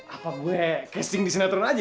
apa gue casting di sinetron aja